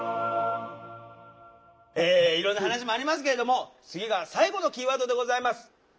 いろんな話もありますけれども次が最後のキーワードでございます。